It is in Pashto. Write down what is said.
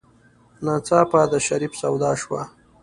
ناڅاپه د شريف سودا شوه.